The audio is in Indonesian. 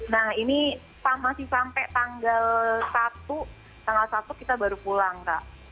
nah ini masih sampai tanggal satu tanggal satu kita baru pulang kak